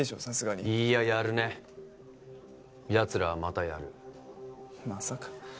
さすがにいいややるねやつらはまたやるまさか